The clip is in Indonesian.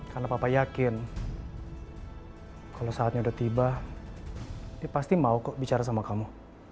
karena papa yakin kalau saatnya udah tiba dia pasti mau kok bicara sama kamu